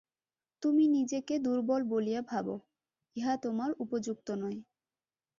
তুমি নিজেকে দুর্বল বলিয়া ভাব, ইহা তোমার উপযুক্ত নয়।